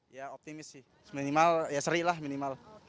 ya optimis sih minimal ya seri lah minimal